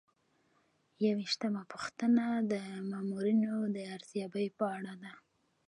یوویشتمه پوښتنه د مامورینو د ارزیابۍ په اړه ده.